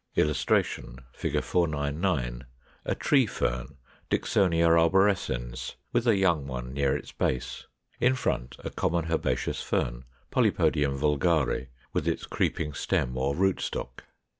] [Illustration: Fig. 499. A Tree Fern, Dicksonia arborescens, with a young one near its base. In front a common herbaceous Fern (Polypodium vulgare) with its creeping stem or rootstock.